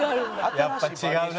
やっぱ違うな。